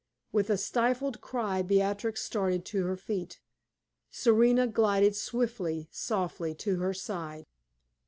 With a stifled cry Beatrix started to her feet. Serena glided swiftly, softly to her side.